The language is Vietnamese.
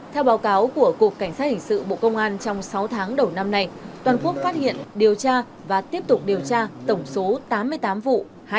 theo báo cáo của cục cảnh sát hình sự bộ công an trong sáu tháng đầu năm này toàn quốc phát hiện điều tra và tiếp tục điều tra tổng số tám mươi tám vụ